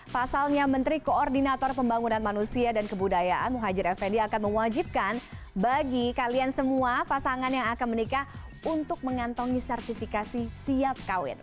pasalnya menteri koordinator pembangunan manusia dan kebudayaan muhajir effendi akan mewajibkan bagi kalian semua pasangan yang akan menikah untuk mengantongi sertifikasi siap kawin